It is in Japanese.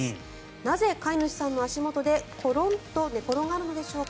なぜ、飼い主さんの足元でコロンと寝転がるのでしょうか。